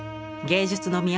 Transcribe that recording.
芸術の都